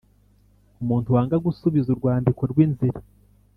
Umuntu wanga gusubiza urwandiko rw inzira